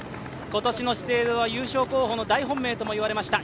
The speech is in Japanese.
今年の資生堂は優勝候補の大本命とも言われました。